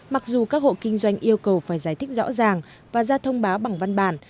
mặc dù các hộ kinh doanh yêu cầu phải giải thích rõ ràng và ra thông báo bằng văn bản